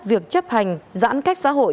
việc chấp hành giãn cách xã hội